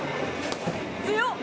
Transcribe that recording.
・強っ！